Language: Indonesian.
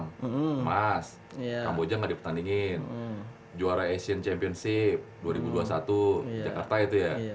emas kamboja nggak dipertandingin juara asian championship dua ribu dua puluh satu jakarta itu ya